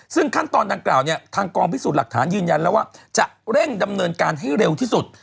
ซึ่งขั้นตอนดังกล่าวเนี่ยทางกองพิสูจน์หลักฐานยืนยันแล้วว่าจะเร่งดำเนินการให้เร็วที่สุด